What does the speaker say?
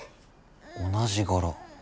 同じ柄。